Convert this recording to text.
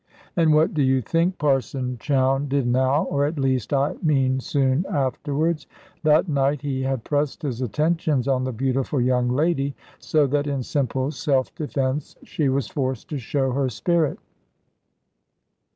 And what do you think Parson Chowne did now, or at least I mean soon afterwards? That night he had pressed his attentions on the beautiful young lady, so that in simple self defence she was forced to show her spirit.